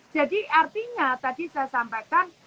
jadi artinya tadi saya sampaikan